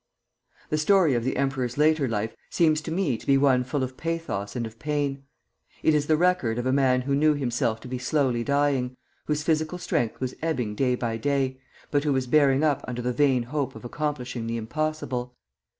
The story of the emperor's later life seems to me to be one full of pathos and of pain. It is the record of a man who knew himself to be slowly dying, whose physical strength was ebbing day by day, but who was bearing up under the vain hope of accomplishing the impossible.